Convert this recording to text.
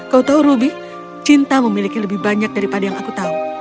kau tahu ruby cinta memiliki lebih banyak daripada yang aku tahu